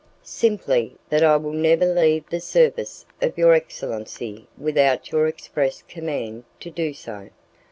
"Simply that I will never leave the service of your excellency without your express command to do so."